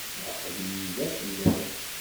Aql-iyi da fell-ak.